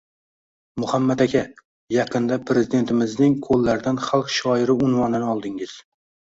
– Muhammad aka, yaqinda Prezidentimizning qo‘llaridan Xalq shoiri unvonini oldingiz